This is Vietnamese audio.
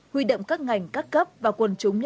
huy động các ngành các cấp và quân chúng nhé